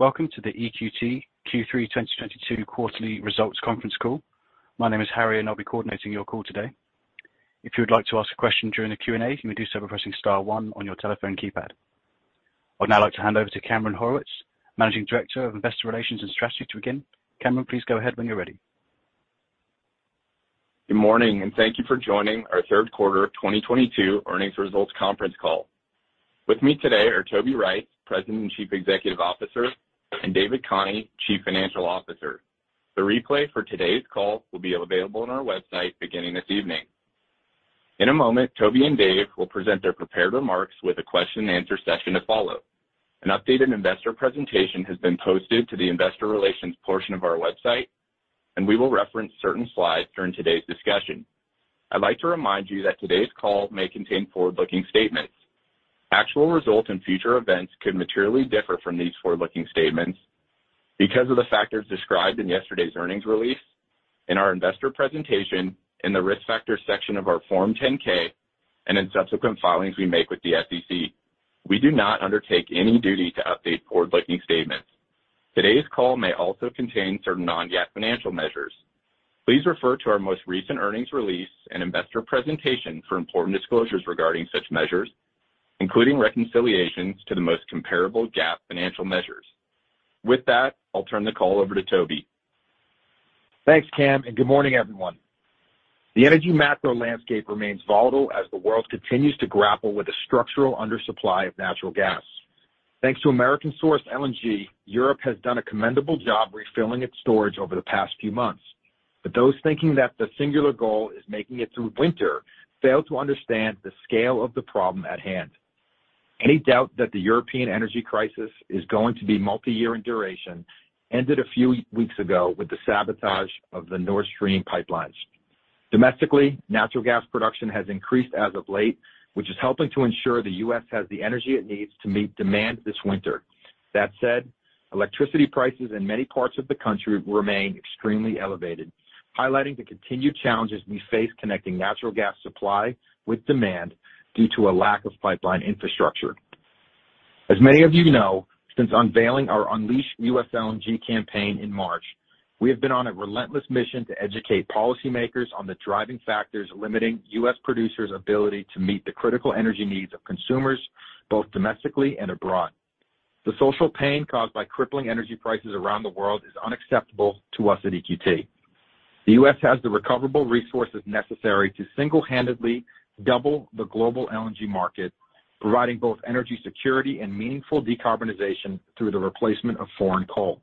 Welcome to the EQT Q3 2022 quarterly results conference call. My name is Harry, and I'll be coordinating your call today. If you would like to ask a question during the Q&A, you may do so by pressing star one on your telephone keypad. I'd now like to hand over to Cameron Horwitz, Managing Director of Investor Relations and Strategy to begin. Cameron, please go ahead when you're ready. Good morning, and thank you for joining our third quarter of 2022 earnings results conference call. With me today are Toby Rice, President and Chief Executive Officer, and David Khani, Chief Financial Officer. The replay for today's call will be available on our website beginning this evening. In a moment, Toby and Dave will present their prepared remarks with a question and answer session to follow. An updated investor presentation has been posted to the investor relations portion of our website, and we will reference certain slides during today's discussion. I'd like to remind you that today's call may contain forward-looking statements. Actual results and future events could materially differ from these forward-looking statements because of the factors described in yesterday's earnings release, in our investor presentation, in the Risk Factors section of our Form 10-K, and in subsequent filings we make with the SEC. We do not undertake any duty to update forward-looking statements. Today's call may also contain certain non-GAAP financial measures. Please refer to our most recent earnings release and investor presentation for important disclosures regarding such measures, including reconciliations to the most comparable GAAP financial measures. With that, I'll turn the call over to Toby. Thanks, Cam, and good morning, everyone. The energy macro landscape remains volatile as the world continues to grapple with the structural undersupply of natural gas. Thanks to American-sourced LNG, Europe has done a commendable job refilling its storage over the past few months. Those thinking that the singular goal is making it through winter fail to understand the scale of the problem at hand. Any doubt that the European energy crisis is going to be multi-year in duration ended a few weeks ago with the sabotage of the Nord Stream pipelines. Domestically, natural gas production has increased as of late, which is helping to ensure the U.S. has the energy it needs to meet demand this winter. That said, electricity prices in many parts of the country remain extremely elevated, highlighting the continued challenges we face connecting natural gas supply with demand due to a lack of pipeline infrastructure. As many of you know, since unveiling our Unleash U.S. LNG campaign in March, we have been on a relentless mission to educate policymakers on the driving factors limiting U.S. producers' ability to meet the critical energy needs of consumers both domestically and abroad. The social pain caused by crippling energy prices around the world is unacceptable to us at EQT. The U.S. has the recoverable resources necessary to single-handedly double the global LNG market, providing both energy security and meaningful decarbonization through the replacement of foreign coal.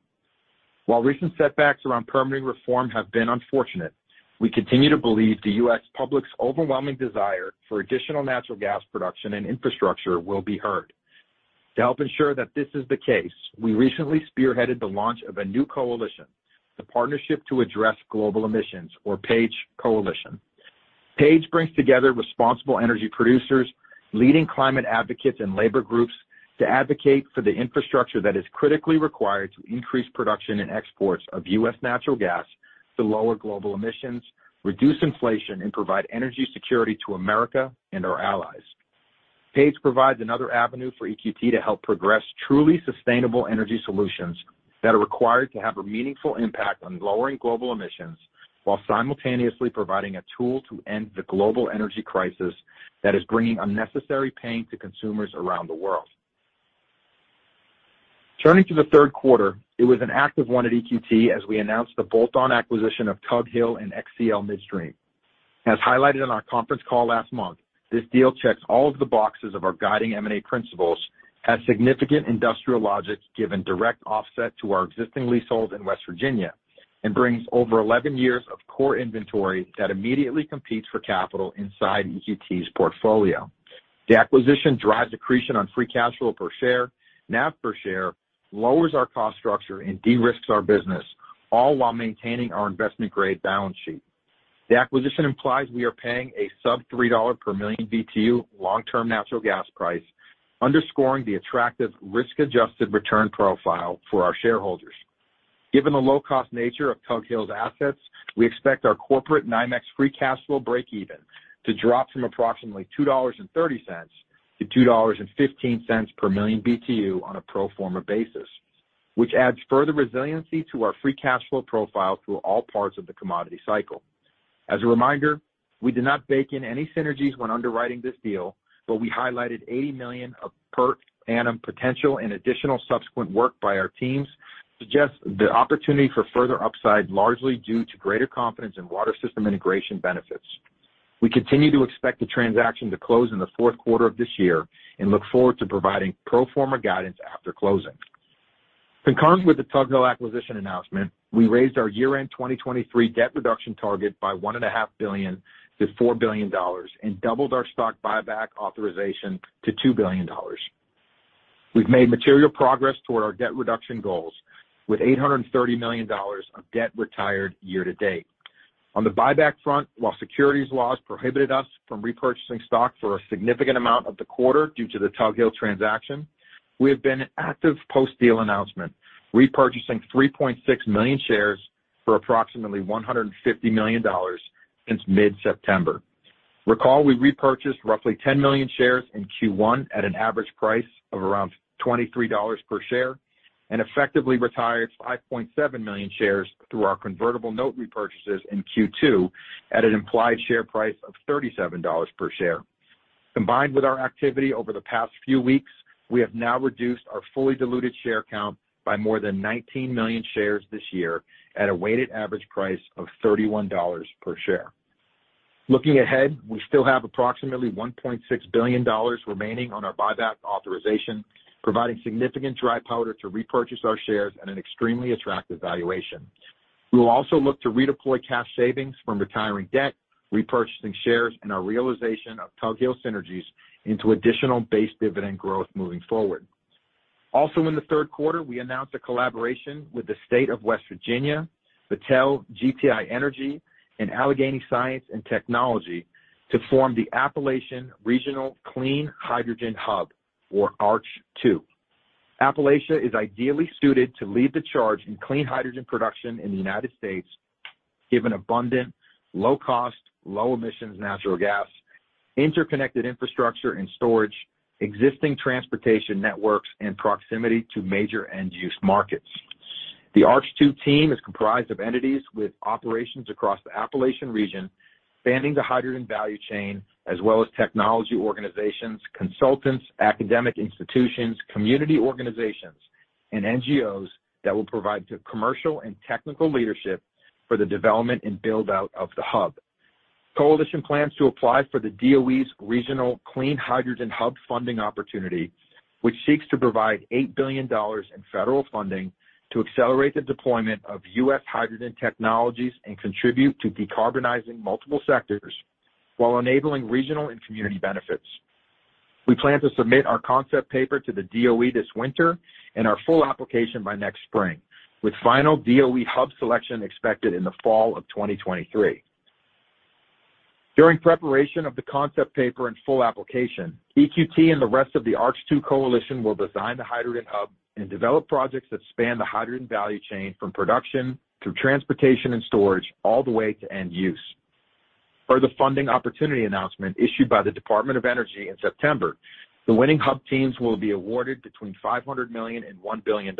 While recent setbacks around permitting reform have been unfortunate, we continue to believe the U.S. public's overwhelming desire for additional natural gas production and infrastructure will be heard. To help ensure that this is the case, we recently spearheaded the launch of a new coalition, the Partnership to Address Global Emissions or PAGE Coalition. PAGE brings together responsible energy producers, leading climate advocates, and labor groups to advocate for the infrastructure that is critically required to increase production and exports of U.S. natural gas to lower global emissions, reduce inflation, and provide energy security to America and our allies. PAGE provides another avenue for EQT to help progress truly sustainable energy solutions that are required to have a meaningful impact on lowering global emissions while simultaneously providing a tool to end the global energy crisis that is bringing unnecessary pain to consumers around the world. Turning to the third quarter, it was an active one at EQT as we announced the bolt-on acquisition of Tug Hill and XCL Midstream. As highlighted on our conference call last month, this deal checks all of the boxes of our guiding M&A principles, has significant industrial logic given direct offset to our existing leaseholds in West Virginia, and brings over 11 years of core inventory that immediately competes for capital inside EQT's portfolio. The acquisition drives accretion on free cash flow per share, NAV per share, lowers our cost structure, and de-risks our business, all while maintaining our investment-grade balance sheet. The acquisition implies we are paying a sub $3 per million BTU long-term natural gas price, underscoring the attractive risk-adjusted return profile for our shareholders. Given the low-cost nature of Tug Hill's assets, we expect our corporate NYMEX free cash flow breakeven to drop from approximately $2.30 to $2.15 per million BTU on a pro forma basis, which adds further resiliency to our free cash flow profile through all parts of the commodity cycle. As a reminder, we did not bake in any synergies when underwriting this deal, but we highlighted $80 million per annum potential and additional subsequent work by our teams suggests the opportunity for further upside, largely due to greater confidence in water system integration benefits. We continue to expect the transaction to close in the fourth quarter of this year and look forward to providing pro forma guidance after closing. Concurrent with the Tug Hill acquisition announcement, we raised our year-end 2023 debt reduction target by $1.5 billion to $4 billion and doubled our stock buyback authorization to $2 billion. We've made material progress toward our debt reduction goals with $830 million of debt retired year to date. On the buyback front, while securities laws prohibited us from repurchasing stock for a significant amount of the quarter due to the Tug Hill transaction, we have been active post-deal announcement, repurchasing 3.6 million shares for approximately $150 million since mid-September. Recall, we repurchased roughly 10 million shares in Q1 at an average price of around $23 per share, and effectively retired 5.7 million shares through our convertible note repurchases in Q2 at an implied share price of $37 per share. Combined with our activity over the past few weeks, we have now reduced our fully diluted share count by more than 19 million shares this year at a weighted average price of $31 per share. Looking ahead, we still have approximately $1.6 billion remaining on our buyback authorization, providing significant dry powder to repurchase our shares at an extremely attractive valuation. We will also look to redeploy cash savings from retiring debt, repurchasing shares, and our realization of Tug Hill synergies into additional base dividend growth moving forward. Also in the third quarter, we announced a collaboration with the state of West Virginia, Battelle, GTI Energy, and Allegheny Science & Technology to form the Appalachian Regional Clean Hydrogen Hub, or ARCH2. Appalachia is ideally suited to lead the charge in clean hydrogen production in the United States, given abundant, low cost, low emissions natural gas, interconnected infrastructure and storage, existing transportation networks, and proximity to major end use markets. The ARCH2 team is comprised of entities with operations across the Appalachian region, spanning the hydrogen value chain, as well as technology organizations, consultants, academic institutions, community organizations, and NGOs that will provide the commercial and technical leadership for the development and build-out of the hub. The coalition plans to apply for the DOE's Regional Clean Hydrogen Hub funding opportunity, which seeks to provide $8 billion in federal funding to accelerate the deployment of U.S. hydrogen technologies and contribute to decarbonizing multiple sectors while enabling regional and community benefits. We plan to submit our concept paper to the DOE this winter and our full application by next spring, with final DOE hub selection expected in the fall of 2023. During preparation of the concept paper and full application, EQT and the rest of the ARCH2 coalition will design the hydrogen hub and develop projects that span the hydrogen value chain from production through transportation and storage, all the way to end use. Per the funding opportunity announcement issued by the Department of Energy in September, the winning hub teams will be awarded between $500 million and $1 billion,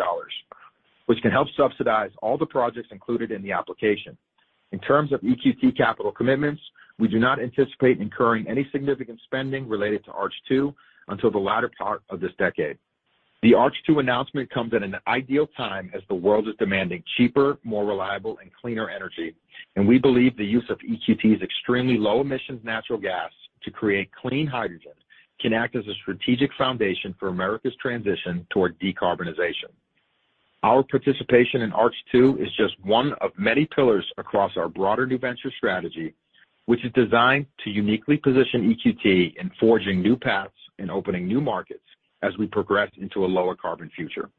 which can help subsidize all the projects included in the application. In terms of EQT capital commitments, we do not anticipate incurring any significant spending related to ARCH2 until the latter part of this decade. The ARCH2 announcement comes at an ideal time as the world is demanding cheaper, more reliable, and cleaner energy, and we believe the use of EQT's extremely low emissions natural gas to create clean hydrogen can act as a strategic foundation for America's transition toward decarbonization. Our participation in ARCH2 is just one of many pillars across our broader new venture strategy, which is designed to uniquely position EQT in forging new paths and opening new markets as we progress into a lower carbon future.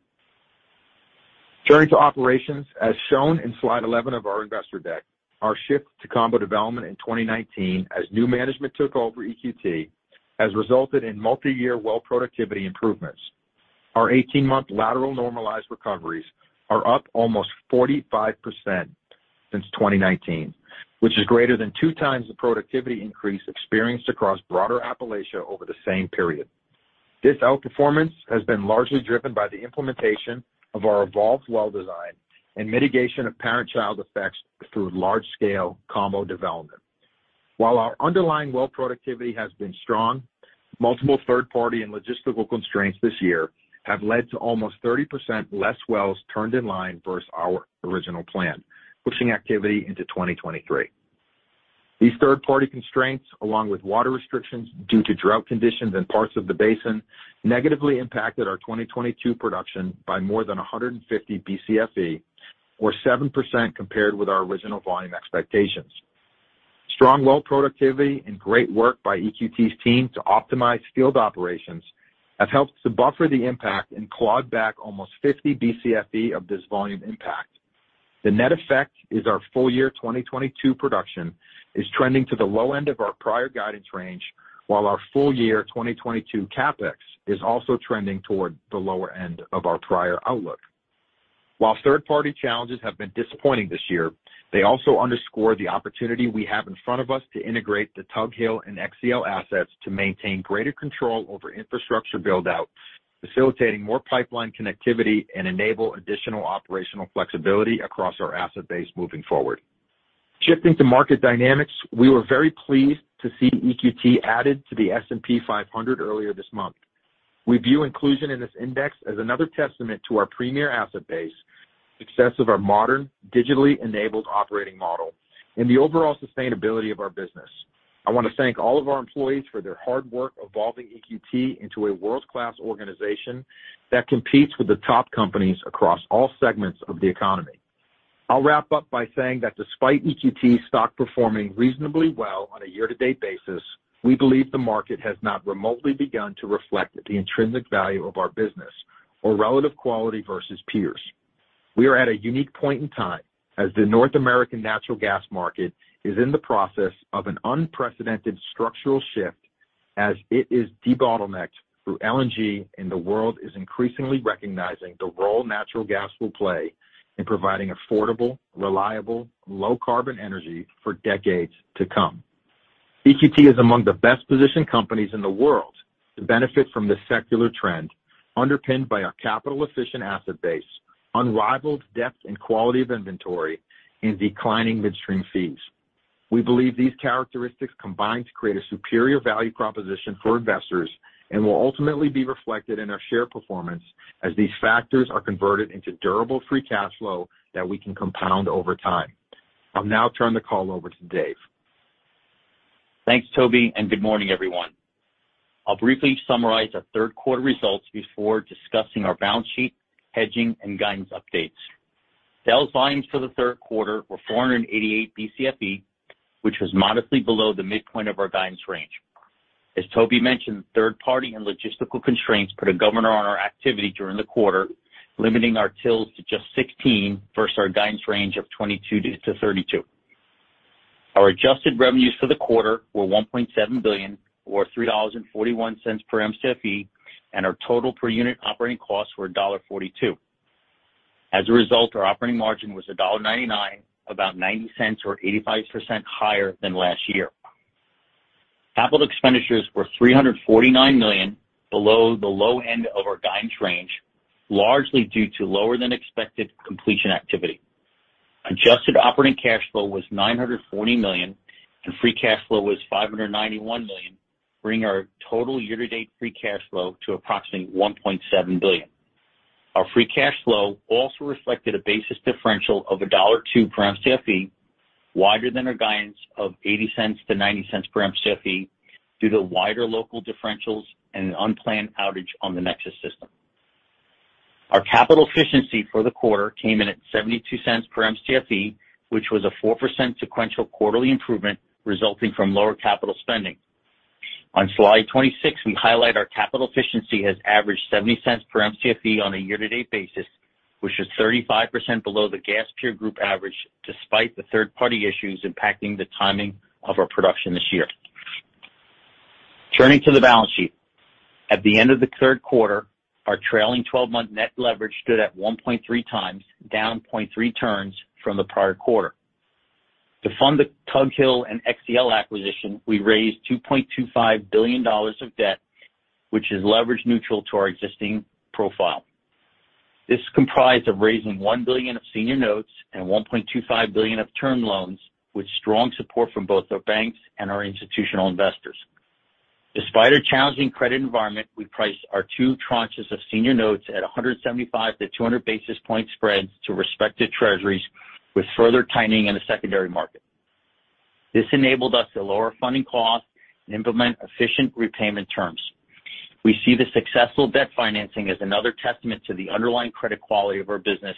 Turning to operations, as shown in slide 11 of our investor deck, our shift to combo development in 2019 as new management took over EQT, has resulted in multiyear well productivity improvements. Our 18-month lateral normalized recoveries are up almost 45% since 2019, which is greater than two times the productivity increase experienced across broader Appalachia over the same period. This outperformance has been largely driven by the implementation of our evolved well design and mitigation of parent-child effects through large-scale combo development. While our underlying well productivity has been strong, multiple third-party and logistical constraints this year have led to almost 30% less wells turned in line versus our original plan, pushing activity into 2023. These third-party constraints, along with water restrictions due to drought conditions in parts of the basin, negatively impacted our 2022 production by more than 150 Bcfe, or 7% compared with our original volume expectations. Strong well productivity and great work by EQT's team to optimize field operations have helped to buffer the impact and clawed back almost 50 Bcfe of this volume impact. The net effect is our full year 2022 production is trending to the low end of our prior guidance range, while our full year 2022 CapEx is also trending toward the lower end of our prior outlook. While third-party challenges have been disappointing this year, they also underscore the opportunity we have in front of us to integrate the Tug Hill and XCL assets to maintain greater control over infrastructure build-out, facilitating more pipeline connectivity, and enable additional operational flexibility across our asset base moving forward. Shifting to market dynamics, we were very pleased to see EQT added to the S&P 500 earlier this month. We view inclusion in this index as another testament to our premier asset base, success of our modern, digitally enabled operating model, and the overall sustainability of our business. I wanna thank all of our employees for their hard work evolving EQT into a world-class organization that competes with the top companies across all segments of the economy. I'll wrap up by saying that despite EQT's stock performing reasonably well on a year-to-date basis, we believe the market has not remotely begun to reflect the intrinsic value of our business or relative quality versus peers. We are at a unique point in time as the North American natural gas market is in the process of an unprecedented structural shift. As it is debottlenecked through LNG, and the world is increasingly recognizing the role natural gas will play in providing affordable, reliable, low carbon energy for decades to come. EQT is among the best-positioned companies in the world to benefit from this secular trend, underpinned by our capital-efficient asset base, unrivaled depth and quality of inventory, and declining midstream fees. We believe these characteristics combine to create a superior value proposition for investors and will ultimately be reflected in our share performance as these factors are converted into durable free cash flow that we can compound over time. I'll now turn the call over to Dave. Thanks, Toby, and good morning, everyone. I'll briefly summarize our third quarter results before discussing our balance sheet, hedging, and guidance updates. Sales volumes for the third quarter were 488 Bcfe, which was modestly below the midpoint of our guidance range. As Toby mentioned, third-party and logistical constraints put a governor on our activity during the quarter, limiting our wells to just 16 versus our guidance range of 22-32. Our adjusted revenues for the quarter were $1.7 billion, or $3.41 per Mcfe, and our total per unit operating costs were $1.42. As a result, our operating margin was $1.99, about $0.90 or 85% higher than last year. Capital expenditures were $349 million, below the low end of our guidance range, largely due to lower than expected completion activity. Adjusted operating cash flow was $940 million, and free cash flow was $591 million, bringing our total year-to-date free cash flow to approximately $1.7 billion. Our free cash flow also reflected a basis differential of $1.02 per Mcfe, wider than our guidance of $0.80-$0.90 per Mcfe due to wider local differentials and an unplanned outage on the NEXUS system. Our capital efficiency for the quarter came in at $0.72 per Mcfe, which was a 4% sequential quarterly improvement resulting from lower capital spending. On slide 26, we highlight our capital efficiency has averaged $0.70 per Mcfe on a year-to-date basis, which is 35% below the gas peer group average despite the third-party issues impacting the timing of our production this year. Turning to the balance sheet. At the end of the third quarter, our trailing twelve-month net leverage stood at 1.3 times, down 0.3 turns from the prior quarter. To fund the Tug Hill and XCL Midstream acquisition, we raised $2.25 billion of debt, which is leverage neutral to our existing profile. This comprised of raising $1 billion of senior notes and $1.25 billion of term loans with strong support from both our banks and our institutional investors. Despite a challenging credit environment, we priced our two tranches of senior notes at 175-200 basis point spreads to respective treasuries with further tightening in the secondary market. This enabled us to lower funding costs and implement efficient repayment terms. We see the successful debt financing as another testament to the underlying credit quality of our business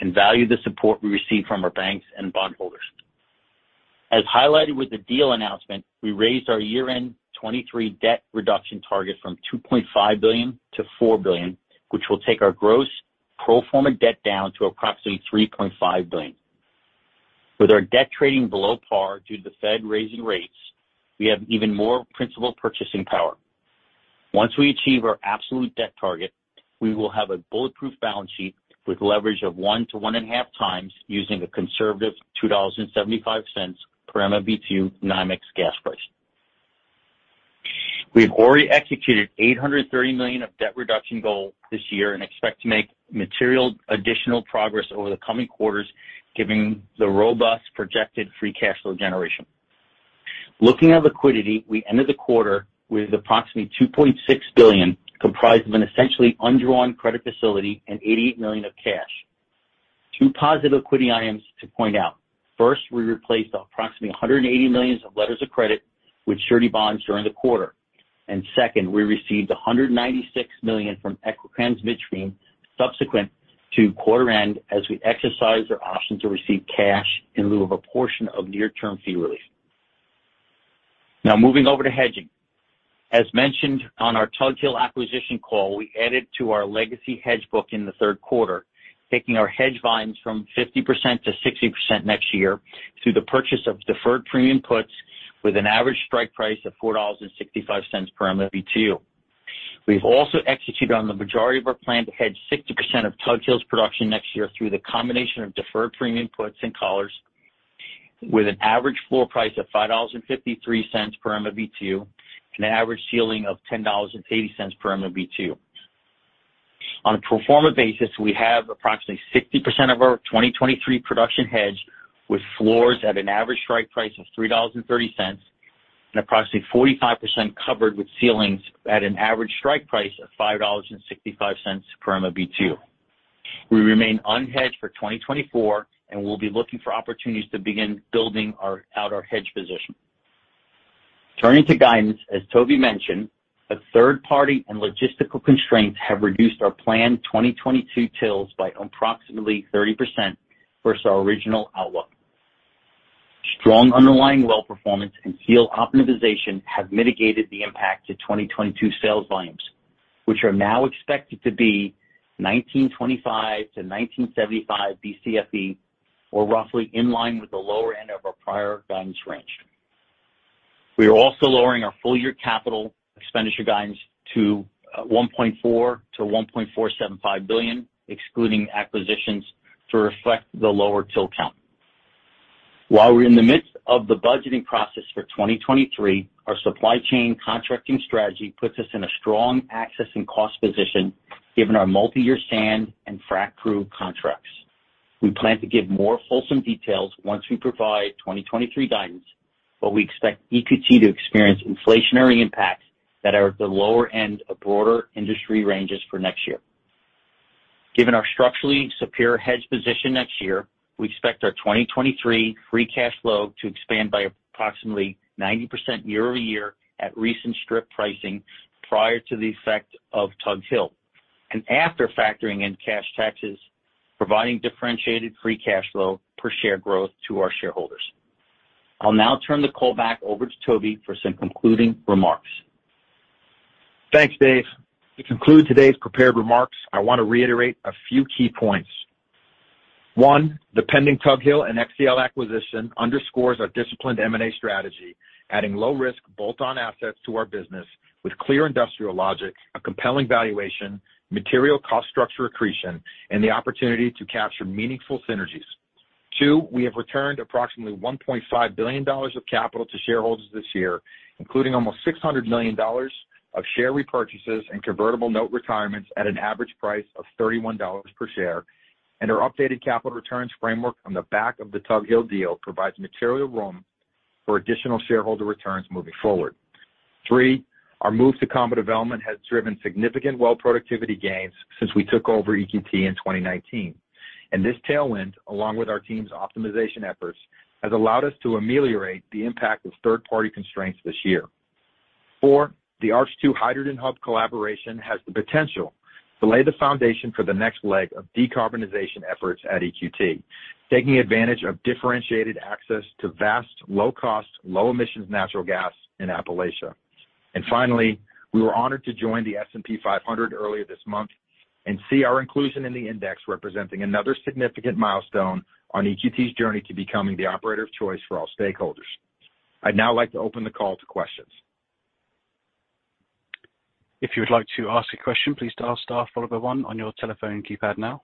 and value the support we receive from our banks and bondholders. As highlighted with the deal announcement, we raised our year-end 2023 debt reduction target from $2.5 billion to $4 billion, which will take our gross pro forma debt down to approximately $3.5 billion. With our debt trading below par due to the Fed raising rates, we have even more principal purchasing power. Once we achieve our absolute debt target, we will have a bulletproof balance sheet with leverage of 1-1.5 times using a conservative $2.75 per MMBtu NYMEX gas price. We've already executed $830 million of debt reduction goals this year and expect to make material additional progress over the coming quarters, given the robust projected free cash flow generation. Looking at liquidity, we ended the quarter with approximately $2.6 billion, comprised of an essentially undrawn credit facility and $88 million of cash. Two positive liquidity items to point out. First, we replaced approximately $180 million of letters of credit with surety bonds during the quarter. Second, we received $196 million from Equitrans Midstream subsequent to quarter end as we exercised our option to receive cash in lieu of a portion of near-term fee relief. Now moving over to hedging. As mentioned on our Tug Hill acquisition call, we added to our legacy hedge book in the third quarter, taking our hedge volumes from 50% to 60% next year through the purchase of deferred premium puts with an average strike price of $4.65 per MMBtu. We've also executed on the majority of our plan to hedge 60% of Tug Hill's production next year through the combination of deferred premium puts and collars with an average floor price of $5.53 per MMBtu and an average ceiling of $10.80 per MMBtu. On a pro forma basis, we have approximately 60% of our 2023 production hedged with floors at an average strike price of $3.30, and approximately 45% covered with ceilings at an average strike price of $5.65 per MMBtu. We remain unhedged for 2024, and we'll be looking for opportunities to begin building out our hedge position. Turning to guidance, as Toby mentioned, the third party and logistical constraints have reduced our planned 2022 wells by approximately 30% versus our original outlook. Strong underlying well performance and well optimization have mitigated the impact to 2022 sales volumes, which are now expected to be 1,925-1,975 Bcfe, or roughly in line with the lower end of our prior guidance range. We are also lowering our full-year capital expenditure guidance to $1.4 billion-$1.475 billion, excluding acquisitions to reflect the lower drill count. While we're in the midst of the budgeting process for 2023, our supply chain contracting strategy puts us in a strong access and cost position given our multi-year sand and frac crew contracts. We plan to give more fulsome details once we provide 2023 guidance, but we expect EQT to experience inflationary impacts that are at the lower end of broader industry ranges for next year. Given our structurally superior hedge position next year, we expect our 2023 free cash flow to expand by approximately 90% year-over-year at recent strip pricing prior to the effect of Tug Hill and after factoring in cash taxes, providing differentiated free cash flow per share growth to our shareholders. I'll now turn the call back over to Toby for some concluding remarks. Thanks, Dave. To conclude today's prepared remarks, I wanna reiterate a few key points. One, the pending Tug Hill and XCL acquisition underscores our disciplined M&A strategy, adding low risk bolt-on assets to our business with clear industrial logic, a compelling valuation, material cost structure accretion, and the opportunity to capture meaningful synergies. Two, we have returned approximately $1.5 billion of capital to shareholders this year, including almost $600 million of share repurchases and convertible note retirements at an average price of $31 per share. Our updated capital returns framework on the back of the Tug Hill deal provides material room for additional shareholder returns moving forward. Three, our move to combo development has driven significant well productivity gains since we took over EQT in 2019. This tailwind, along with our team's optimization efforts, has allowed us to ameliorate the impact of third-party constraints this year. Four, the ARCH2 Hydrogen Hub collaboration has the potential to lay the foundation for the next leg of decarbonization efforts at EQT, taking advantage of differentiated access to vast low-cost, low-emissions natural gas in Appalachia. Finally, we were honored to join the S&P 500 earlier this month and see our inclusion in the index representing another significant milestone on EQT's journey to becoming the operator of choice for all stakeholders. I'd now like to open the call to questions. If you would like to ask a question, please dial star followed by one on your telephone keypad now.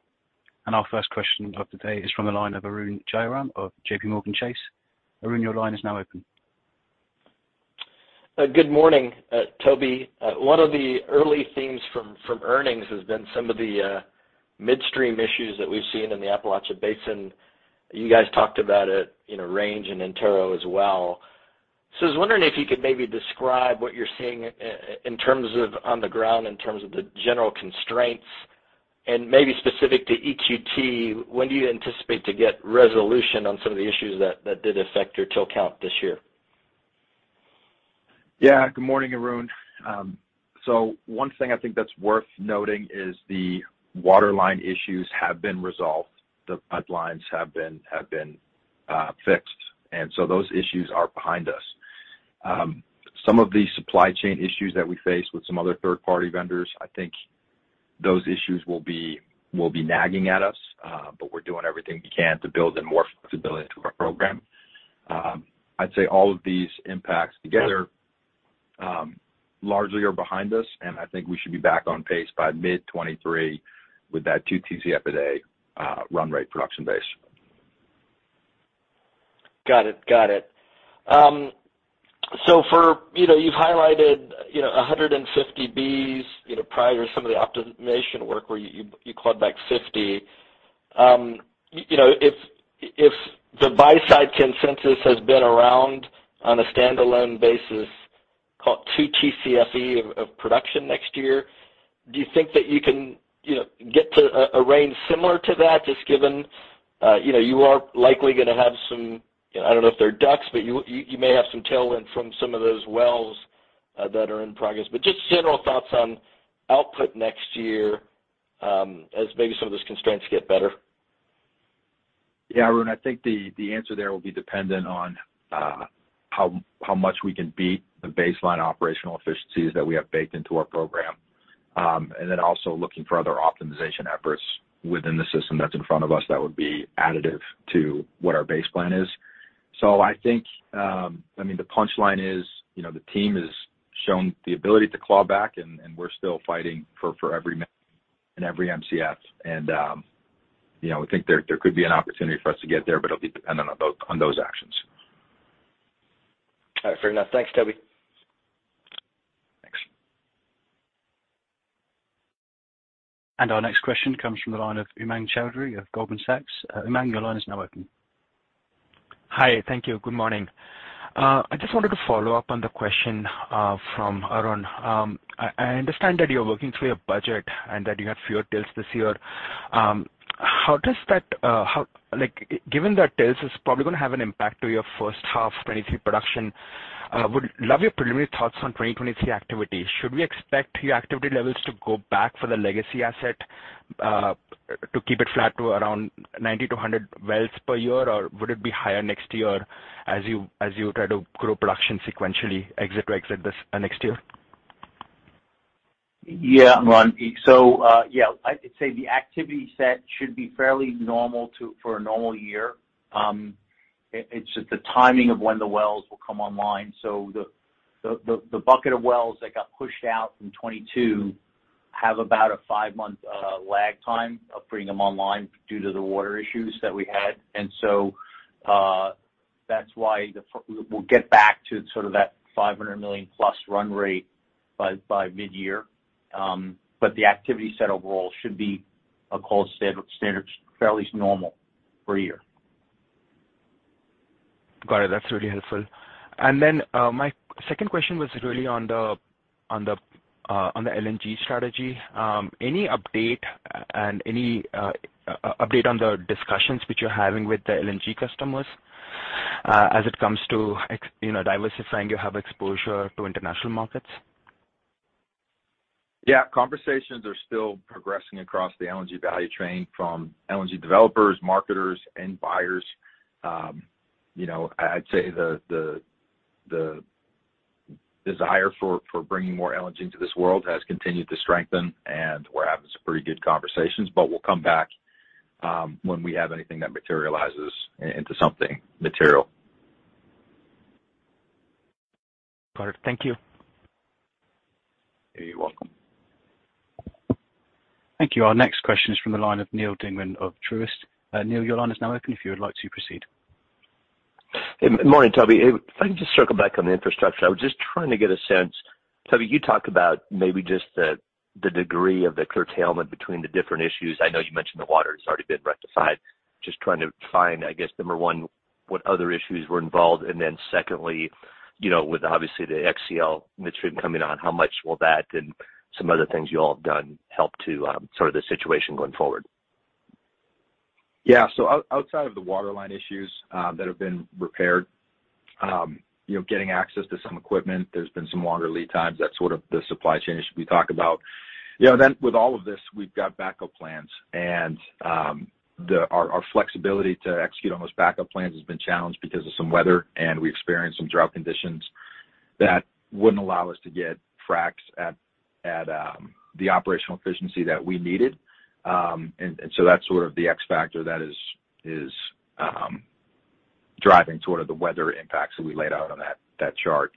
Our first question of the day is from the line of Arun Jayaram of JPMorgan. Arun, your line is now open. Good morning, Toby. One of the early themes from earnings has been some of the midstream issues that we've seen in the Appalachian Basin. You guys talked about it, you know, Range and Antero as well. I was wondering if you could maybe describe what you're seeing in terms of on the ground, in terms of the general constraints, and maybe specific to EQT, when do you anticipate to get resolution on some of the issues that did affect your drill count this year? Yeah. Good morning, Arun. One thing I think that's worth noting is the waterline issues have been resolved. The pipelines have been fixed, and those issues are behind us. Some of the supply chain issues that we face with some other third-party vendors, I think those issues will be nagging at us, but we're doing everything we can to build in more flexibility into our program. I'd say all of these impacts together largely are behind us, and I think we should be back on pace by mid-2023 with that 2 TCF a day run rate production base. So for, you know, you've highlighted, you know, 150 Bcf, you know, prior to some of the optimization work where you clawed back 50. You know, if the buy-side consensus has been around on a standalone basis, call it 2 TCFe of production next year, do you think that you can, you know, get to a range similar to that just given, you know, you are likely gonna have some, you know, I don't know if they're DUCs, but you may have some tailwind from some of those wells that are in progress. Just general thoughts on output next year, as maybe some of those constraints get better. Yeah, Arun, I think the answer there will be dependent on how much we can beat the baseline operational efficiencies that we have baked into our program. Then also looking for other optimization efforts within the system that's in front of us that would be additive to what our base plan is. I think, I mean, the punchline is, you know, the team has shown the ability to claw back and we're still fighting for every Mcf and every Mcf. You know, we think there could be an opportunity for us to get there, but it'll be dependent on those actions. All right. Fair enough. Thanks, Toby. Thanks. Our next question comes from the line of Umang Choudhary of Goldman Sachs. Umang, your line is now open. Hi. Thank you. Good morning. I just wanted to follow up on the question from Arun. I understand that you're working through your budget and that you had fewer wells this year. How does that, given that wells is probably gonna have an impact to your first half 2023 production, would love your preliminary thoughts on 2023 activity. Should we expect your activity levels to go back for the legacy asset to keep it flat to around 90-100 wells per year? Or would it be higher next year as you try to grow production sequentially exit to exit this next year? Yeah, Umang. Yeah, I'd say the activity set should be fairly normal for a normal year. It's just the timing of when the wells will come online. The bucket of wells that got pushed out from 2022 have about a five-month lag time of bringing them online due to the water issues that we had. That's why we'll get back to sort of that $500 million plus run rate by midyear. The activity set overall should be. I'll call standard, fairly normal for a year. Got it. That's really helpful. My second question was really on the LNG strategy. Any update on the discussions which you're having with the LNG customers, as it comes to you know, diversifying, you have exposure to international markets? Yeah. Conversations are still progressing across the LNG value chain from LNG developers, marketers, and buyers. You know, I'd say the desire for bringing more LNG to this world has continued to strengthen, and we're having some pretty good conversations. We'll come back when we have anything that materializes into something material. Got it. Thank you. You're welcome. Thank you. Our next question is from the line of Neal Dingmann of Truist. Neal, your line is now open if you would like to proceed. Good morning, Toby. If I can just circle back on the infrastructure. I was just trying to get a sense. Toby, you talked about maybe just the degree of the curtailment between the different issues. I know you mentioned the water has already been rectified. Just trying to find, I guess, number one, what other issues were involved. Secondly, you know, with obviously the XCL Midstream coming on, how much will that and some other things you all have done help to, sort of the situation going forward? Yeah. Outside of the waterline issues that have been repaired, you know, getting access to some equipment, there's been some longer lead times. That's sort of the supply chain issue we talk about. You know, with all of this, we've got backup plans. Our flexibility to execute on those backup plans has been challenged because of some weather, and we experienced some drought conditions that wouldn't allow us to get fracs at the operational efficiency that we needed. That's sort of the X factor that is driving sort of the weather impacts that we laid out on that chart.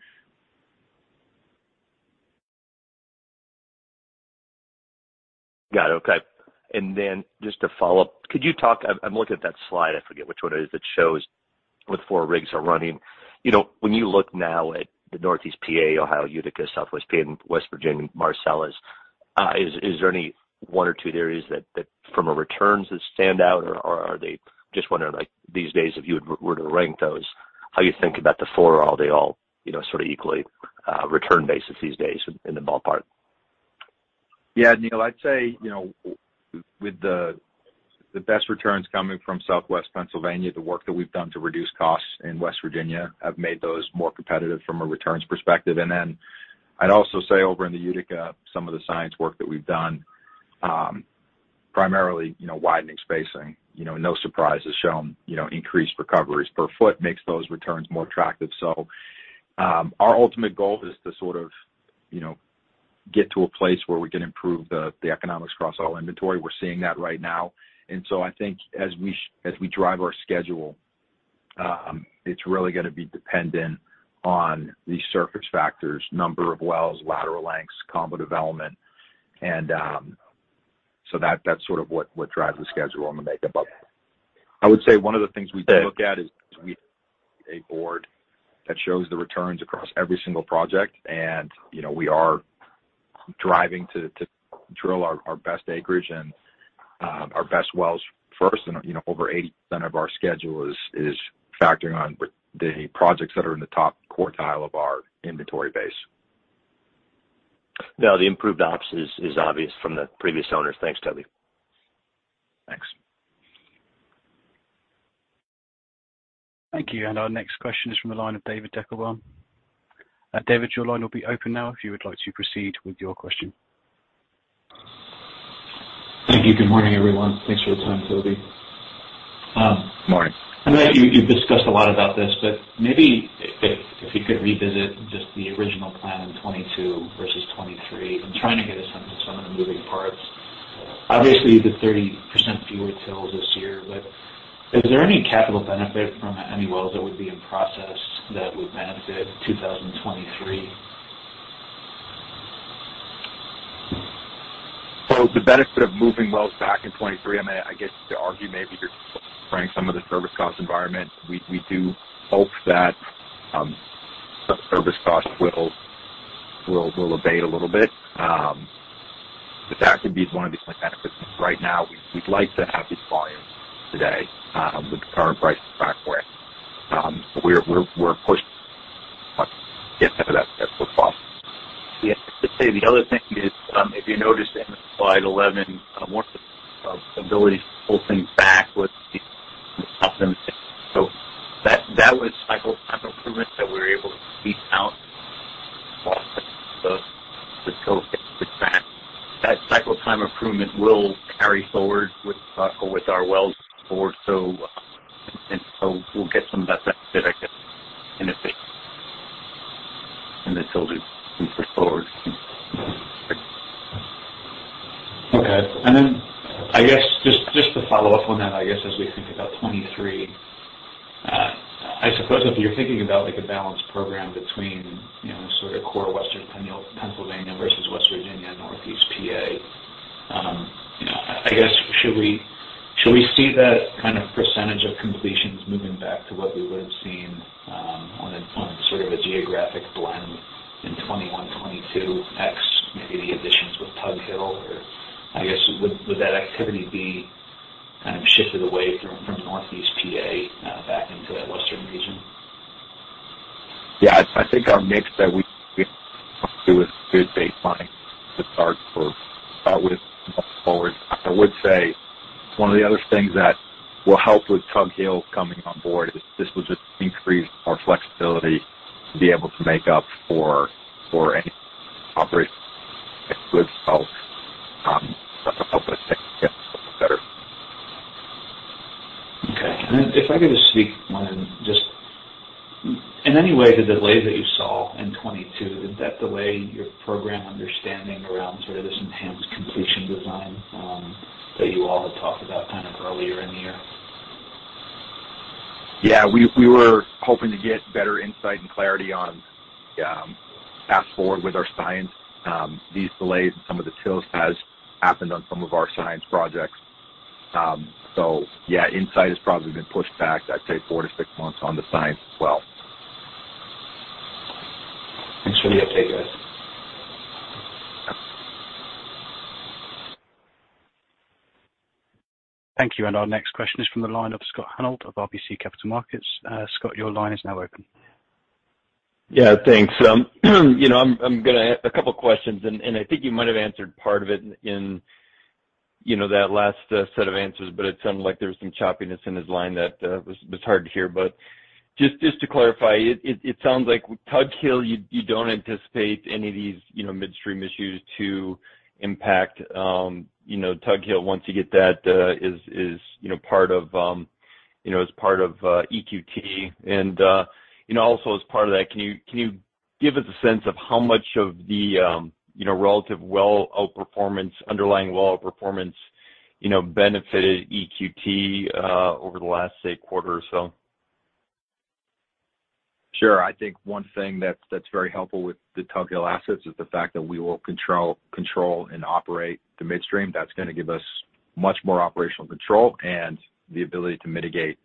Got it. Okay. Just to follow up, could you talk? I'm looking at that slide. I forget which one it is that shows what four rigs are running. You know, when you look now at the Northeast PA, Ohio, Utica, Southwest Penn, West Virginia, Marcellus, is there any one or two areas that from a returns that stand out or are they? Just wondering, like these days, if you were to rank those, how you think about the four? Are they all, you know, sort of equally, return basis these days in the ballpark? Yeah, Neal Dingmann, I'd say, you know, with the best returns coming from Southwest Pennsylvania, the work that we've done to reduce costs in West Virginia have made those more competitive from a returns perspective. I'd also say over in the Utica, some of the science work that we've done, primarily, you know, widening spacing, you know, no surprises shown, you know, increased recoveries per foot makes those returns more attractive. Our ultimate goal is to sort of, you know, get to a place where we can improve the economics across all inventory. We're seeing that right now. I think as we drive our schedule, it's really gonna be dependent on these surface factors, number of wells, lateral lengths, combo development. That, that's sort of what drives the schedule on the makeup. I would say one of the things we do look at is a board that shows the returns across every single project. You know, we are driving to drill our best acreage and our best wells first. You know, over 80% of our schedule is factoring on the projects that are in the top quartile of our inventory base. No, the improved ops is obvious from the previous owners. Thanks, Toby. Thanks. Thank you. Our next question is from the line of David Deckelbaum. David, your line will be open now if you would like to proceed with your question. Thank you. Good morning, everyone. Thanks for the time, Toby. Morning. I know you've discussed a lot about this, but maybe if you could revisit just the original plan in 2022 versus 2023. I'm trying to get a sense of some of the moving parts. Obviously, the 30% fewer fills this year, but is there any capital benefit from any wells that would be in process that would benefit 2023? The benefit of moving wells back in 2023, I mean, I guess you could argue maybe you're bringing some of the service cost environment. We do hope that the service costs will abate a little bit. That could be one of these benefits. Right now, we'd like to have these volumes today with the current prices back where. We're pushing to get some of that as well. Yeah. I'd say the other thing is, if you noticed in slide 11, more of ability to pull things back with the optimization. That was cycle time improvement that we were able to eke out off the flowback. That cycle time improvement will carry forward with our wells forward. We'll get some of that back directly in the Toby can push forward. Okay. Then I guess just to follow up on that, I guess as we think about 2023, I suppose if you're thinking about, like, a balanced program between, you know, sort of core Western Pennsylvania versus West Virginia and Northeast PA, you know, I guess should we see that kind of percentage of completions moving back to what we would have seen, on sort of a geographic blend in 2021, 2022 except maybe the additions with Tug Hill or. I guess, would that activity be kind of shifted away from Northeast PA back into that western region? Yeah. I think our mix that we took to a good baseline to start with going forward. I would say one of the other things that will help with Tug Hill coming on board is this will just increase our flexibility to be able to make up for any operational weather. If I could just speak on, in any way, the delay that you saw in 2022, did that delay your program understanding around sort of this enhanced completion design that you all had talked about kind of earlier in the year? Yeah. We we hoping to get better insight and clarity on fast-forward with our science. These delays and some of the tilts has happened on some of our science projects. Yeah, insight has probably been pushed back, I'd say four-six months on the science as well. Thanks for the update, guys. Thank you. Our next question is from the line of Scott Hanold of RBC Capital Markets. Scott, your line is now open. Yeah. Thanks. You know, I'm gonna ask a couple questions and I think you might have answered part of it in, you know, that last set of answers, but it sounded like there was some choppiness in his line that was hard to hear. Just to clarify, it sounds like with Tug Hill, you don't anticipate any of these, you know, midstream issues to impact, you know, Tug Hill once you get that, you know, part of, you know, as part of EQT. You know, also as part of that, can you give us a sense of how much of the, you know, relative well outperformance, underlying well outperformance, you know, benefited EQT over the last, say, quarter or so? Sure. I think one thing that's very helpful with the Tug Hill assets is the fact that we will control and operate the midstream. That's gonna give us much more operational control and the ability to mitigate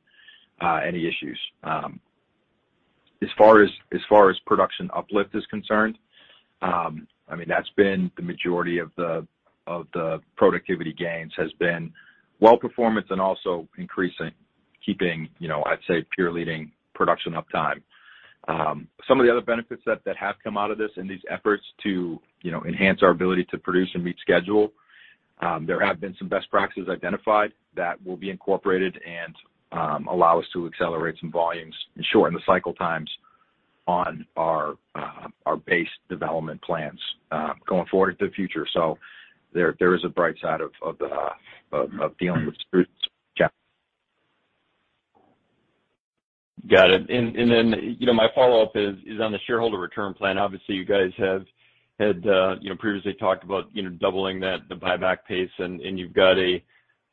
any issues. As far as production uplift is concerned, I mean, that's been the majority of the productivity gains has been well performance and also increasing, keeping, you know, I'd say peer-leading production uptime. Some of the other benefits that have come out of this in these efforts to, you know, enhance our ability to produce and meet schedule, there have been some best practices identified that will be incorporated and allow us to accelerate some volumes and shorten the cycle times on our base development plans going forward into the future. There is a bright side of dealing with Got it. Then, you know, my follow-up is on the shareholder return plan. Obviously, you guys have had, you know, previously talked about, you know, doubling that, the buyback pace and you've got a,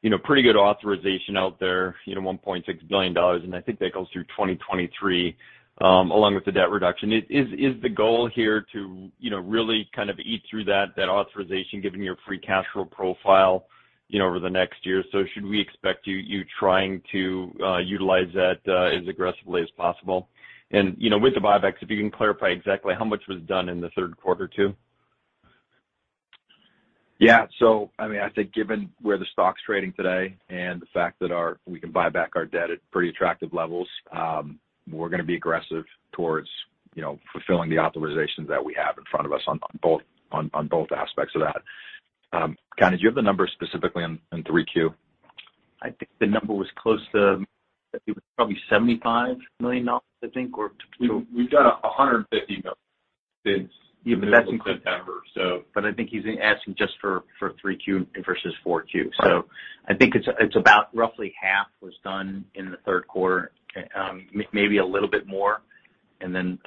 you know, pretty good authorization out there, you know, $1.6 billion, and I think that goes through 2023, along with the debt reduction. Is the goal here to, you know, really kind of eat through that authorization given your free cash flow profile, you know, over the next year? Should we expect you trying to utilize that as aggressively as possible? With the buybacks, if you can clarify exactly how much was done in the third quarter too. Yeah. I mean, I think given where the stock's trading today and the fact that we can buy back our debt at pretty attractive levels, we're gonna be aggressive towards, you know, fulfilling the authorizations that we have in front of us on both aspects of that. Connie, do you have the numbers specifically on in 3Q? I think it was probably $75 million, I think, or We've done $150 million since. Yeah, that's. November. I think he's asking just for 3Q versus 4Q. Right. I think it's about roughly half was done in the third quarter, maybe a little bit more. Then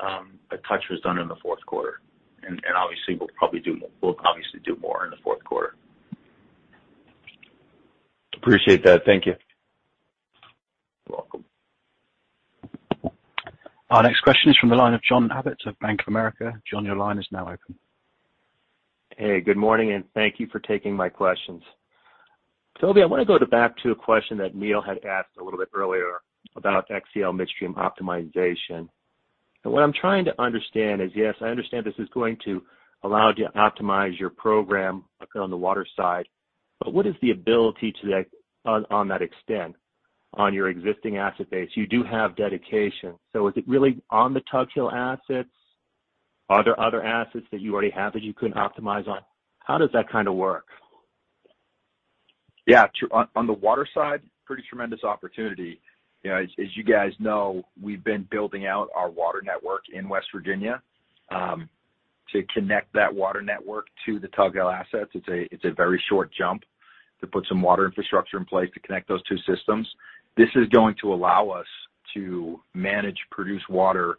a touch was done in the fourth quarter. Obviously we'll probably do more. We'll obviously do more in the fourth quarter. Appreciate that. Thank you. You're welcome. Our next question is from the line of John Abbott of Bank of America. John, your line is now open. Hey. Good morning, and thank you for taking my questions. Toby, I wanna go back to a question that Neil had asked a little bit earlier about XCL Midstream optimization. What I'm trying to understand is, yes, I understand this is going to allow you to optimize your program on the water side, but what is the ability to do that on that extent on your existing asset base? You do have dedication. Is it really on the Tug Hill assets? Are there other assets that you already have that you couldn't optimize on? How does that kinda work? Yeah. On the water side, pretty tremendous opportunity. You know, as you guys know, we've been building out our water network in West Virginia to connect that water network to the Tug Hill assets. It's a very short jump to put some water infrastructure in place to connect those two systems. This is going to allow us to manage produced water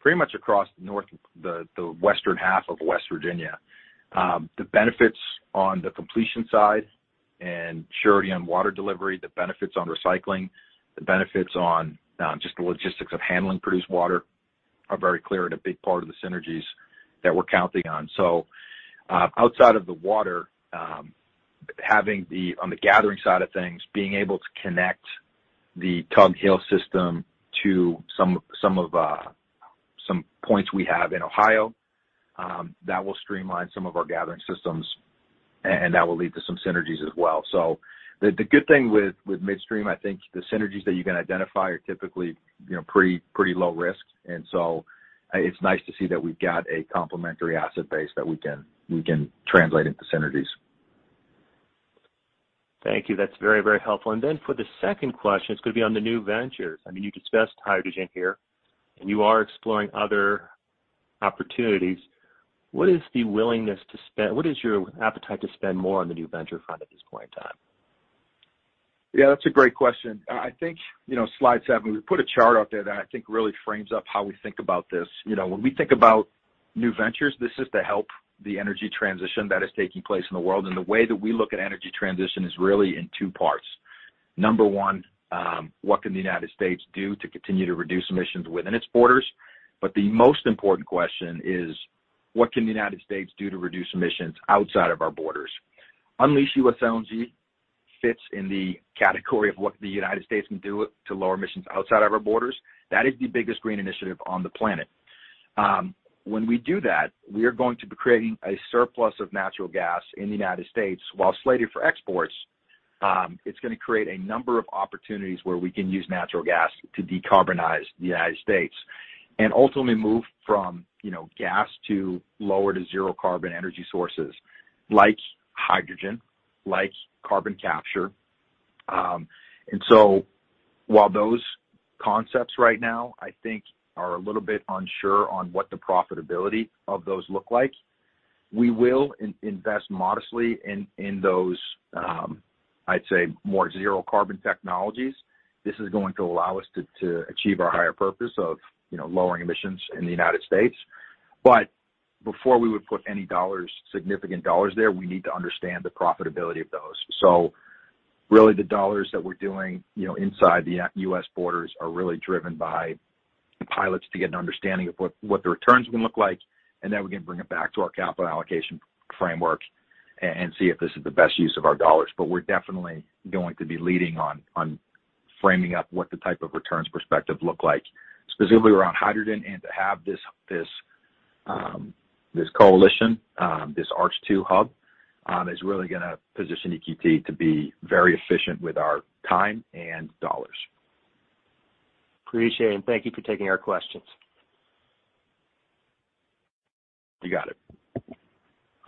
pretty much across the western half of West Virginia. The benefits on the completion side and surety on water delivery, the benefits on recycling, the benefits on just the logistics of handling produced water are very clear and a big part of the synergies that we're counting on. Outside of the water, on the gathering side of things, being able to connect the Tug Hill system to some of some points we have in Ohio, that will streamline some of our gathering systems and that will lead to some synergies as well. The good thing with midstream, I think the synergies that you can identify are typically, you know, pretty low risk. It's nice to see that we've got a complementary asset base that we can translate into synergies. Thank you. That's very, very helpful. For the second question, it's gonna be on the new ventures. I mean, you discussed hydrogen here, and you are exploring other opportunities. What is your appetite to spend more on the new venture front at this point in time? Yeah, that's a great question. I think, you know, slide seven, we put a chart out there that I think really frames up how we think about this. You know, when we think about new ventures, this is to help the energy transition that is taking place in the world. The way that we look at energy transition is really in two parts. Number one, what can the United States do to continue to reduce emissions within its borders? The most important question is, what can the United States do to reduce emissions outside of our borders? Unleash U.S. LNG fits in the category of what the United States can do to lower emissions outside of our borders. That is the biggest green initiative on the planet. When we do that, we are going to be creating a surplus of natural gas in the United States while slated for exports. It's gonna create a number of opportunities where we can use natural gas to decarbonize the United States and ultimately move from, you know, gas to lower to zero carbon energy sources like hydrogen, like carbon capture. While those concepts right now I think are a little bit unsure on what the profitability of those look like, we will invest modestly in those, I'd say more zero carbon technologies. This is going to allow us to achieve our higher purpose of, you know, lowering emissions in the United States. Before we would put any dollars, significant dollars there, we need to understand the profitability of those. Really the dollars that we're doing, you know, inside the U.S. borders are really driven by pilots to get an understanding of what the returns are gonna look like, and then we can bring it back to our capital allocation framework and see if this is the best use of our dollars. But we're definitely going to be leading on framing up what the type of returns perspective look like, specifically around hydrogen. To have this coalition, this ARCH2 hub, is really gonna position EQT to be very efficient with our time and dollars. Appreciate it, and thank you for taking our questions. You got it.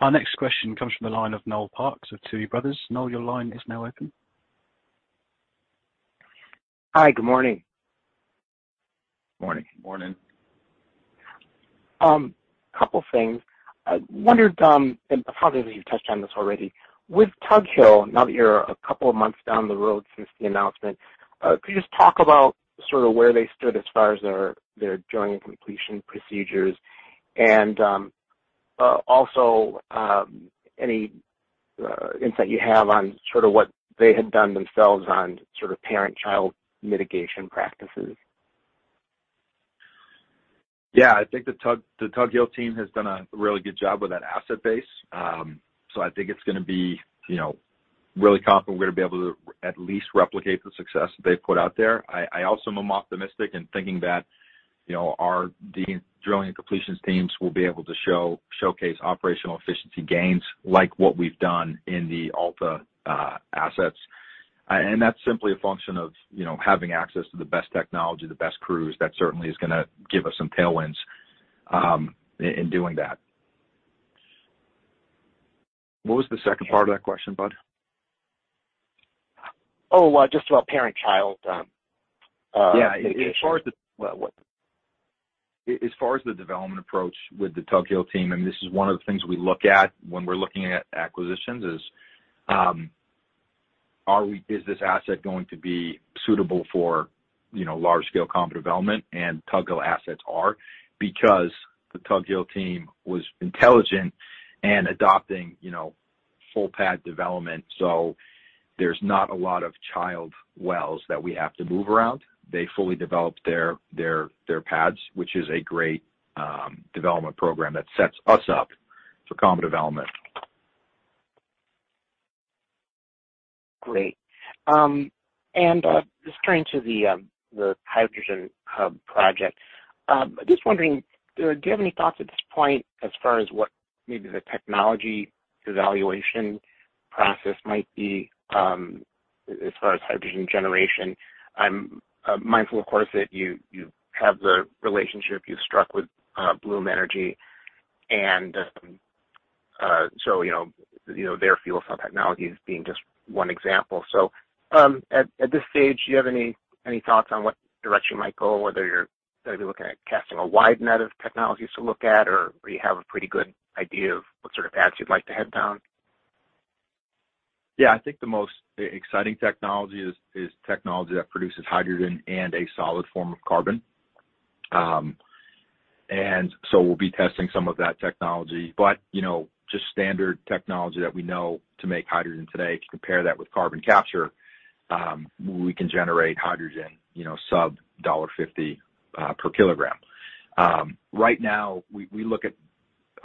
Our next question comes from the line of Noel Parks of Tuohy Brothers. Noel, your line is now open. Hi. Good morning. Morning. Morning. Couple things. I wondered, and probably you've touched on this already. With Tug Hill, now that you're a couple of months down the road since the announcement, could you just talk about sort of where they stood as far as their drilling and completion procedures? Also, any insight you have on sort of what they had done themselves on sort of parent-child mitigation practices? Yeah. I think the Tug Hill team has done a really good job with that asset base. I think it's gonna be, you know, really confident we're gonna be able to at least replicate the success that they've put out there. I also am optimistic in thinking that, you know, our drilling and completions teams will be able to showcase operational efficiency gains like what we've done in the Alta assets. That's simply a function of, you know, having access to the best technology, the best crews. That certainly is gonna give us some tailwinds in doing that. What was the second part of that question, bud? Just about parent-child mitigation. Yeah. As far as the development approach with the Tug Hill team, and this is one of the things we look at when we're looking at acquisitions, is this asset going to be suitable for, you know, large scale comp development? Tug Hill assets are, because the Tug Hill team was intelligent in adopting, you know, full pad development. There's not a lot of child wells that we have to move around. They fully developed their pads, which is a great development program that sets us up for comp development. Great. Just turning to the hydrogen hub project, just wondering, do you have any thoughts at this point as far as what maybe the technology evaluation process might be, as far as hydrogen generation? I'm mindful of course that you have the relationship you struck with Bloom Energy. You know, their fuel cell technology as being just one example. At this stage, do you have any thoughts on what direction you might go, whether you're gonna be looking at casting a wide net of technologies to look at, or you have a pretty good idea of what sort of paths you'd like to head down? Yeah, I think the most exciting technology is technology that produces hydrogen and a solid form of carbon. We'll be testing some of that technology. You know, just standard technology that we know to make hydrogen today, to compare that with carbon capture, we can generate hydrogen, you know, sub-$1.50 per kilogram. Right now we look at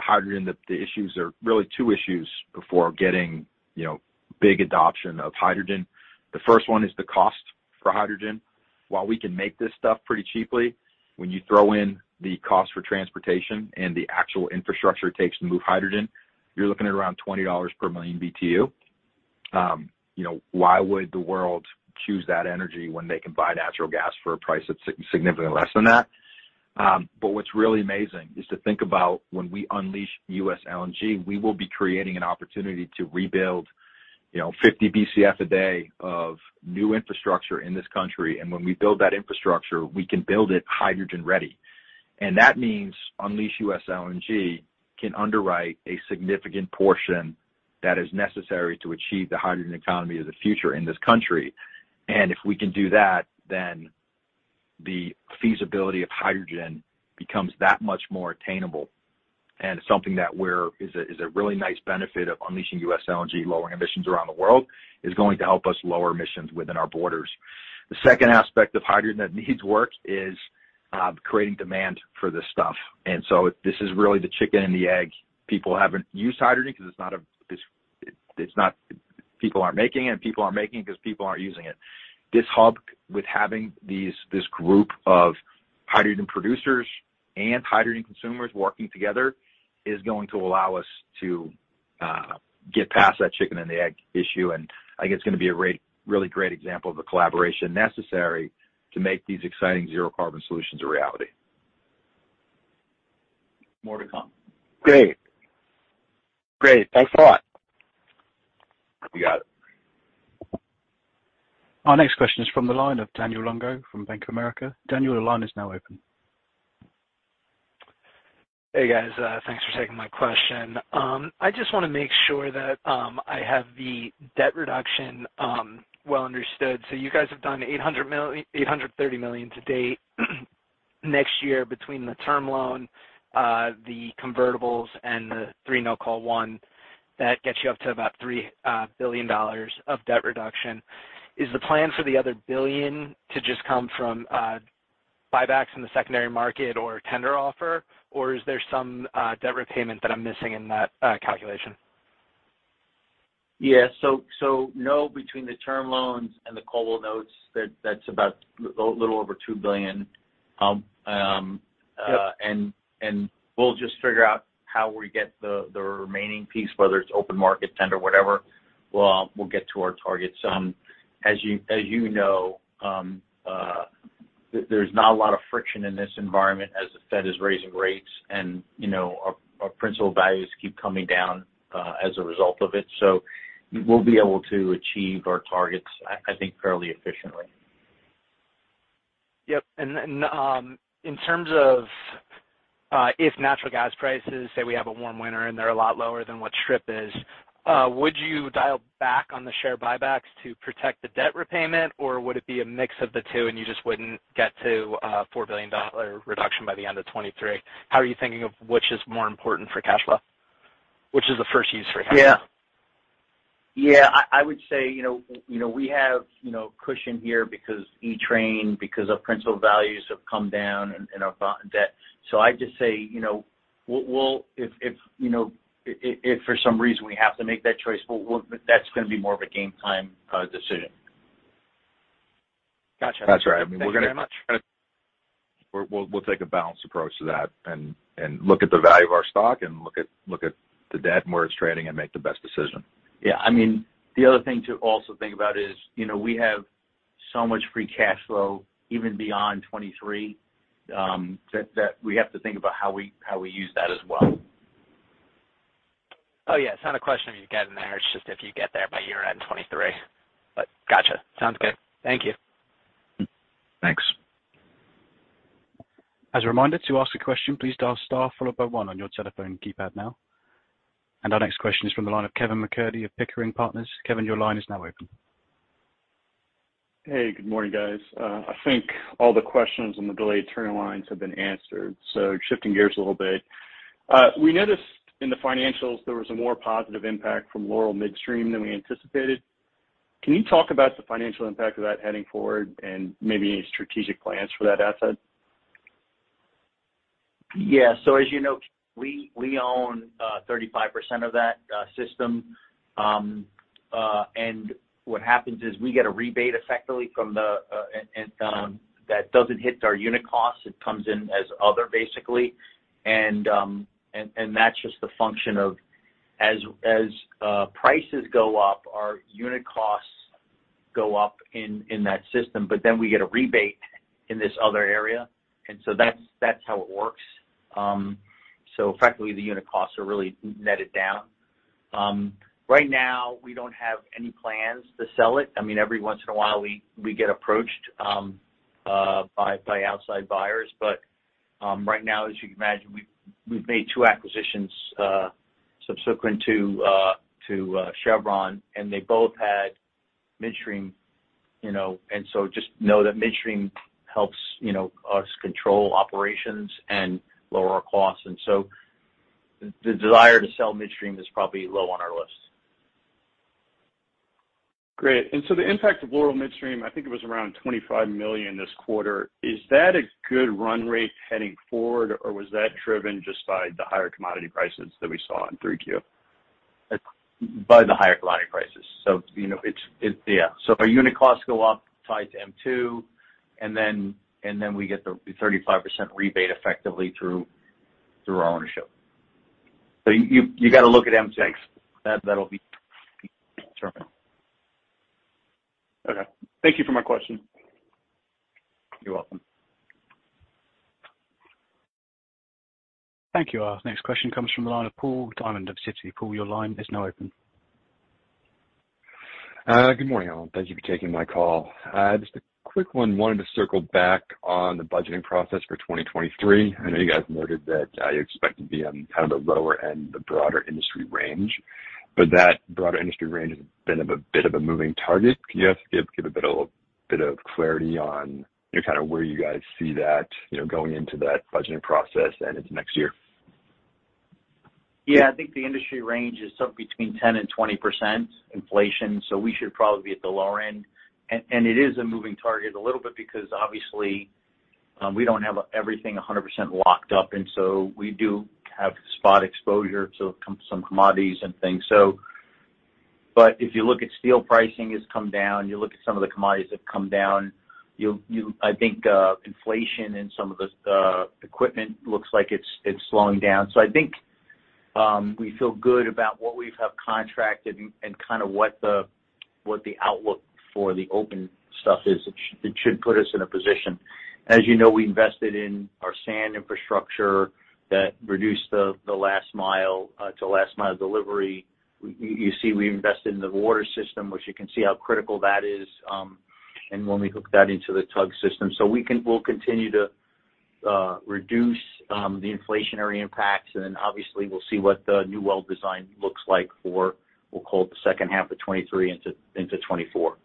hydrogen, the issues are really two issues before getting, you know, big adoption of hydrogen. The first one is the cost for hydrogen. While we can make this stuff pretty cheaply, when you throw in the cost for transportation and the actual infrastructure it takes to move hydrogen, you're looking at around $20 per million BTU. You know, why would the world choose that energy when they can buy natural gas for a price that's significantly less than that? What's really amazing is to think about when we unleash U.S. LNG, we will be creating an opportunity to rebuild, you know, 50 BCF a day of new infrastructure in this country. When we build that infrastructure, we can build it hydrogen ready. That means Unleash U.S. LNG can underwrite a significant portion that is necessary to achieve the hydrogen economy of the future in this country. If we can do that, then the feasibility of hydrogen becomes that much more attainable. It's something that is a really nice benefit of unleashing U.S. LNG. Lowering emissions around the world is going to help us lower emissions within our borders. The second aspect of hydrogen that needs work is creating demand for this stuff. This is really the chicken and the egg. People haven't used hydrogen because people aren't making it, and people aren't making it because people aren't using it. This hub, with having these, this group of hydrogen producers and hydrogen consumers working together, is going to allow us to get past that chicken and the egg issue, and I think it's gonna be a great, really great example of the collaboration necessary to make these exciting zero carbon solutions a reality. More to come. Great. Thanks a lot. You got it. Our next question is from the line of Daniel Lungo from Bank of America. Daniel, your line is now open. Hey, guys. Thanks for taking my question. I just wanna make sure that I have the debt reduction well understood. You guys have done $830 million to date next year between the term loan, the convertibles and the 3 no-call 1 that gets you up to about $3 billion of debt reduction. Is the plan for the other $1 billion to just come from buybacks in the secondary market or tender offer? Or is there some debt repayment that I'm missing in that calculation? Yeah. No, between the term loans and the callable notes that's about little over $2 billion. Yep. We'll just figure out how we get the remaining piece, whether it's open market tender, whatever. We'll get to our targets. As you know, there's not a lot of friction in this environment as the Fed is raising rates and, you know, our principal values keep coming down as a result of it. We'll be able to achieve our targets, I think, fairly efficiently. Yep. In terms of if natural gas prices, say we have a warm winter and they're a lot lower than what strip is, would you dial back on the share buybacks to protect the debt repayment, or would it be a mix of the two and you just wouldn't get to a $4 billion reduction by the end of 2023? How are you thinking of which is more important for cash flow? Which is the first use for cash flow? Yeah. I would say, you know, we have cushion here because Equitrans, our principal balances have come down and our bond debt. I'd just say, you know, if for some reason we have to make that choice, that's gonna be more of a game-time decision. Gotcha. That's right. I mean, Thank you very much. We'll take a balanced approach to that and look at the value of our stock and look at the debt and where it's trading and make the best decision. Yeah. I mean, the other thing to also think about is, you know, we have so much free cash flow even beyond 2023, that we have to think about how we use that as well. Oh, yeah. It's not a question of you getting there, it's just if you get there by year-end 2023. Gotcha. Sounds good. Thank you. Thanks. As a reminder to ask a question, please dial star followed by one on your telephone keypad now. Our next question is from the line of Kevin MacCurdy of Pickering Energy Partners. Kevin, your line is now open. Hey, good morning, guys. I think all the questions on the delayed turn-in lines have been answered, shifting gears a little bit. We noticed in the financials there was a more positive impact from Laurel Mountain Midstream than we anticipated. Can you talk about the financial impact of that heading forward and maybe any strategic plans for that asset? Yeah. As you know, we own 35% of that system. What happens is we get a rebate effectively from the and that doesn't hit our unit costs. It comes in as other basically. That's just the function of as prices go up, our unit costs go up in that system, but then we get a rebate in this other area. That's how it works. Effectively, the unit costs are really netted down. Right now, we don't have any plans to sell it. I mean, every once in a while, we get approached by outside buyers. Right now, as you can imagine, we've made two acquisitions subsequent to Chevron, and they both had midstream, you know, and so just know that midstream helps, you know, us control operations and lower our costs. The desire to sell midstream is probably low on our list. Great. The impact of Laurel Mountain Midstream, I think it was around $25 million this quarter. Is that a good run rate heading forward, or was that driven just by the higher commodity prices that we saw in 3Q? By the higher commodity prices. You know, yeah. Our unit costs go up tied to M-2, and then we get the 35% rebate effectively through our ownership. You got to look at M-2. Thanks. That'll be term. Okay. Thank you for my question. You're welcome. Thank you. Our next question comes from the line of Paul Diamond of Citi. Paul, your line is now open. Good morning, all. Thank you for taking my call. Just a quick one. Wanted to circle back on the budgeting process for 2023. I know you guys noted that you expect to be on kind of the lower end of the broader industry range, but that broader industry range has been a bit of a moving target. Can you guys give a bit of clarity on, you know, kind of where you guys see that, you know, going into that budgeting process and into next year? Yeah. I think the industry range is somewhere between 10% and 20% inflation, so we should probably be at the lower end. It is a moving target a little bit because obviously, we don't have everything 100% locked up, and so we do have spot exposure to some commodities and things. If you look at steel pricing, it's come down. You look at some of the commodities that have come down. I think inflation in some of the equipment looks like it's slowing down. I think we feel good about what we have contracted and kind of what the outlook for the open stuff is. It should put us in a position. As you know, we invested in our sand infrastructure that reduced the last mile delivery. You see we invested in the water system, which you can see how critical that is, and when we hook that into the Tug Hill system. We'll continue to reduce the inflationary impacts, and then obviously we'll see what the new well design looks like for, we'll call it, the second half of 2023 into 2024.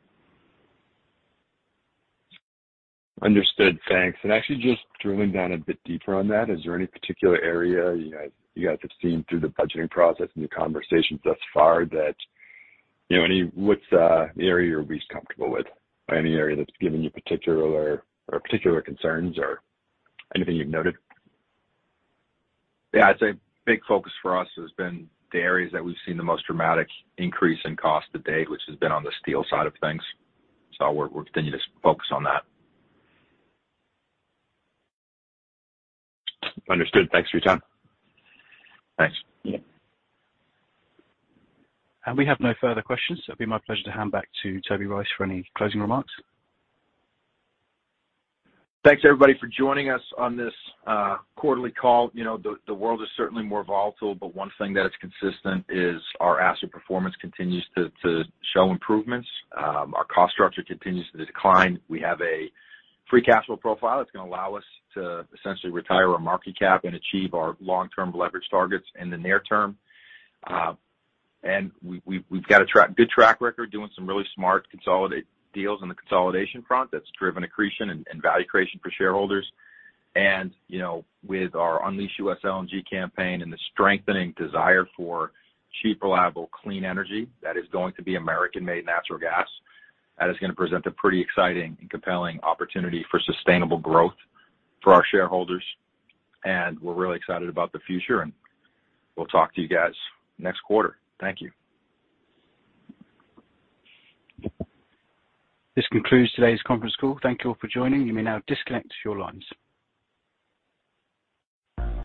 Understood. Thanks. Actually just drilling down a bit deeper on that, is there any particular area you guys have seen through the budgeting process and the conversations thus far that, you know, any, what's the area you're least comfortable with? Any area that's given you particular concerns or anything you've noted? Yeah, I'd say big focus for us has been the areas that we've seen the most dramatic increase in cost to date, which has been on the steel side of things. We're continuing to focus on that. Understood. Thanks for your time. Thanks. We have no further questions. It'll be my pleasure to hand back to Toby Rice for any closing remarks. Thanks, everybody, for joining us on this quarterly call. You know, the world is certainly more volatile, but one thing that is consistent is our asset performance continues to show improvements. Our cost structure continues to decline. We have a free capital profile that's gonna allow us to essentially retire our market cap and achieve our long-term leverage targets in the near term. We've got a good track record doing some really smart consolidate deals on the consolidation front that's driven accretion and value creation for shareholders. You know, with our Unleash U.S. LNG campaign and the strengthening desire for cheap, reliable, clean energy, that is going to be American-made natural gas. That is gonna present a pretty exciting and compelling opportunity for sustainable growth for our shareholders. We're really excited about the future, and we'll talk to you guys next quarter. Thank you. This concludes today's conference call. Thank you all for joining. You may now disconnect your lines.